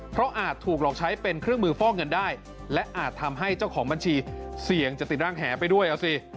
เพราะอาจถูกหลอกใช้เป็นเครื่องมือฟอกเงินได้และอาจทำให้เจ้าของบัญชีเสี่ยงจะติดร่างแหไปด้วยเอาสิ